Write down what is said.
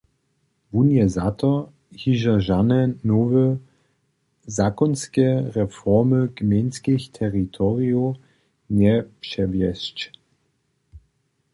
Wón je za to, hižo žane nowe zakonske reformy gmejnskich teritorijow njepřewjesć.